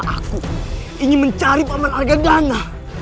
aku ingin mencari paman argentina